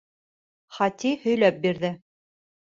Хати һөйләп бирҙе: